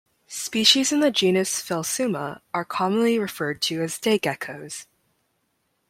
Species in the genus "Phelsuma" are commonly referred to as day geckos.